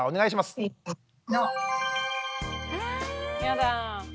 やだ。